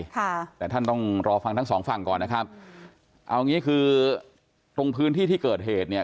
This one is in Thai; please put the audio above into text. ค่ะแต่ท่านต้องรอฟังทั้งสองฝั่งก่อนนะครับเอางี้คือตรงพื้นที่ที่เกิดเหตุเนี่ย